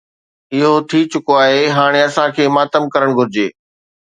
اهو ٿي چڪو آهي، هاڻي اسان کي ماتم ڪرڻ گهرجي.